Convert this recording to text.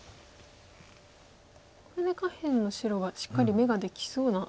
これで下辺の白はしっかり眼ができそうな。